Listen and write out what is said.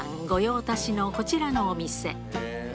御用達のこちらのお店。